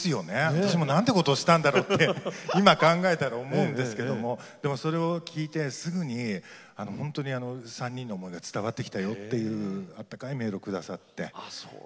私もなんてことしたんだろうって今考えたら思うんですけどもそれを聴いてすぐに本当に３人の思いが伝わってきたよというあったかいメールを下さってとってもうれしかったです。